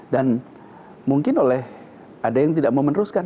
dan mungkin oleh ada yang tidak mau meneruskan